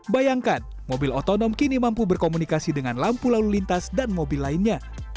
bayangkan mobil otonom kini mampu berkomunikasi dengan lampu lalu lintas dan mobil lainnya